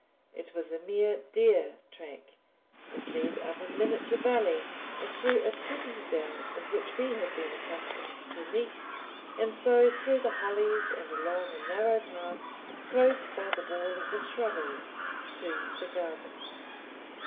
It was a mere deer track. It led up a miniature valley and through a pretty dell in which we had been accustomed to meet, and so through the hollies and along a narrow path close by the wall of the shrubbery to the gardens.